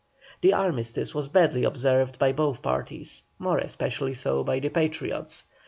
The armistice was badly observed by both parties, more especially so by the Patriots.